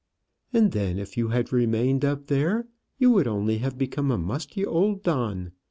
"And then, if you had remained up there, you would only have become a musty old don.